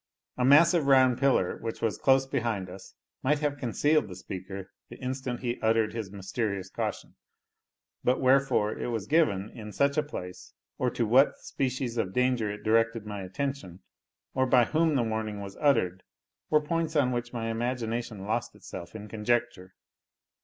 A massive round pillar, which was close behind us, might have concealed the speaker the instant he uttered his mysterious caution; but wherefore it was given in such a place, or to what species of danger it directed my attention, or by whom the warning was uttered, were points on which my imagination lost itself in conjecture.